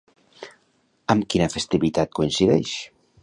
Amb quina festivitat coincideix?